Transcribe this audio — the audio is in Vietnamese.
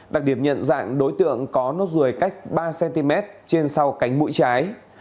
đặc điểm nhận dạng đối tượng có nốt ruồi cách ba cm trên sau cánh mũi trái